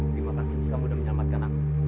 terima kasih jika kamu sudah menyelamatkan aku